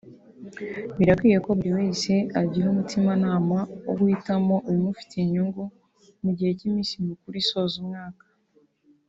Birakwiye ko buri wese agira umutima nama wo guhitamo ibimufitiye inyungu mu gihe cy’iminsi mikuru isoza umwaka